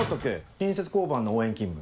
隣接交番の応援勤務。